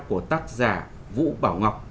của tác giả vũ bảo ngọc